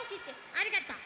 ありがとう。